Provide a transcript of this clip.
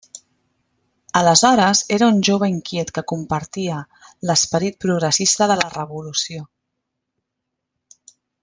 Aleshores era un jove inquiet que compartia l'esperit progressista de la Revolució.